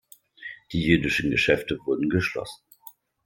Die jüdischen Geschäfte wurden geschlossen.